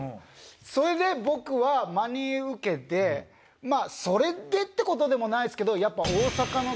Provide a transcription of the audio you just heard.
それで僕は真に受けてそれでってことでもないですけどやっぱ。